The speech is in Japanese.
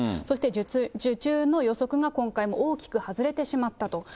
そして受注の予測が今回、大きく外れてしまったと。